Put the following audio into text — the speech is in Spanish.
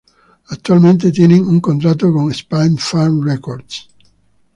Actualmente tienen un contrato con Spinefarm Records.